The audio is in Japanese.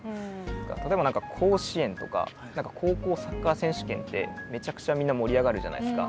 例えば何か甲子園とか高校サッカー選手権ってめちゃくちゃみんな盛り上がるじゃないですか。